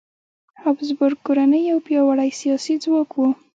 هابسبورګ کورنۍ یو پیاوړی سیاسي ځواک و.